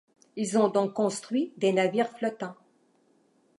Ils ont donc construit des navires flottants.